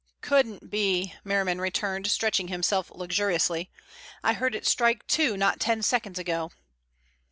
"Couldn't be," Merriman returned, stretching himself luxuriously. "I heard it strike two not ten seconds ago."